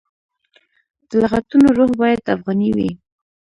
د لغتونو روح باید افغاني وي.